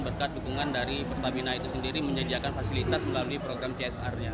berkat dukungan dari pertamina itu sendiri menyediakan fasilitas melalui program csr nya